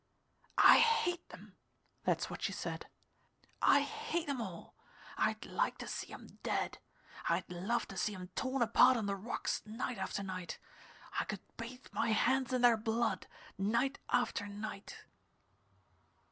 "I hate 'em!" That's what she said. "I hate 'em all. I'd like to see 'em dead. I'd love to see 'em torn apart on the rocks, night after night. I could bathe my hands in their blood, night after night."